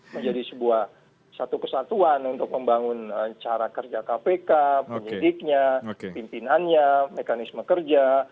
menjadi sebuah satu kesatuan untuk membangun cara kerja kpk penyidiknya pimpinannya mekanisme kerja